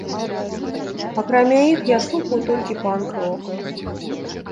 Акрамя іх я слухаў толькі панк-рок.